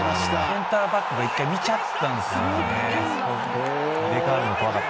センターバックが１回見ちゃったね。